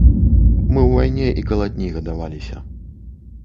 Мы ў вайне і калатні гадаваліся.